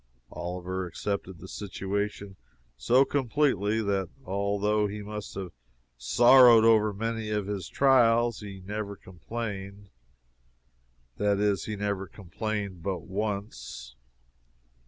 Oliver accepted the situation so completely that although he must have sorrowed over many of his trials, he never complained that is, he never complained but once.